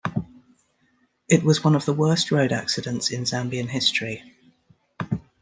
It was one of the worst road accidents in Zambian history.